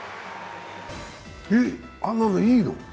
えっ、あんなのいいの？